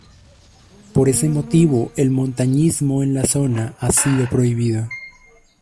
Por ese motivo el montañismo en la zona ha sido prohibido.